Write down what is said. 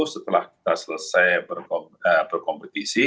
setelah kita selesai berkompetisi